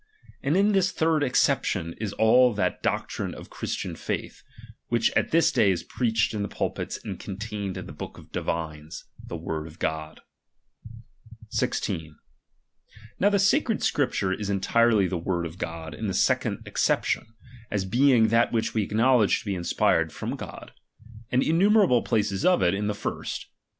And in this third acception is all that tloctriiie of the Christian faith, which at this day is preached in pulpits and contained in the books of divines, the word of God. 16. Now the sacred Scripture is entirely the word of God in this second acception, as being that which we acknowledge to be inspired from God ; and innumerable places of it, in the first.